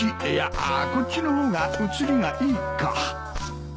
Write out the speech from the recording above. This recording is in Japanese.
いやこっちの方が写りがいいか。